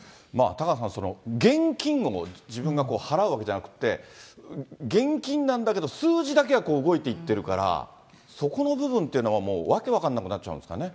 タカさん、現金を自分が払うわけじゃなくって、現金なんだけど数字だけが動いていってるから、そこの部分っていうのは、もう訳分かんなくなっちゃうんですかね。